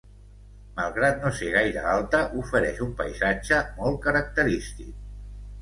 Malgrat no ser gaire alta, ofereix un paisatge molt característic.